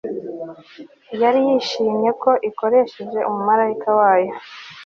yari yihishemo ikoresheje umumarayika wayo